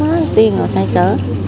cũng không có tiền ở xã xứ